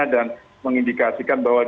dan mengindikasikan bahwa